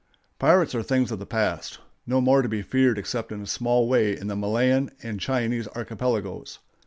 Pirates are things of the past—no more to be feared except in a small way in the Malayan and Chinese archipelagoes.